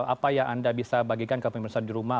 apa yang anda bisa bagikan ke pemirsa di rumah